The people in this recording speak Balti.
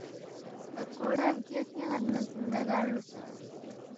تا کوڑا بگیا تیان٘ید نہ زندہ گار لُوسید؟